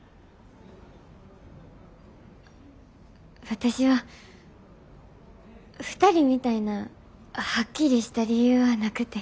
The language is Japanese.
私は２人みたいなはっきりした理由はなくて。